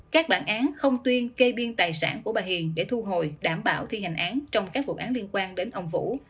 các bản án không tuyên kê biên tài sản của bà hiền để thu hồi đảm bảo thi hành án trong các vụ án liên quan đến ông vũ